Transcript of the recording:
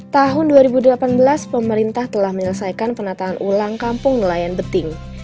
tahun dua ribu delapan belas pemerintah telah menyelesaikan penataan ulang kampung nelayan beting